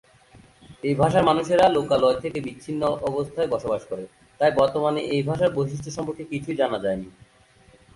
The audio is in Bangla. এই ভাষার মানুষেরা লোকালয় থেকে বিচ্ছিন্ন অবস্থায় বসবাস করে, তাই বর্তমানে এই ভাষার বৈশিষ্ট সম্পর্কে কিছুই জানা যায়নি।